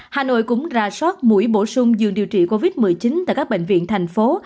hà nội cũng ra soát mũi bổ sung giường điều trị covid một mươi chín tại các bệnh viện thành phố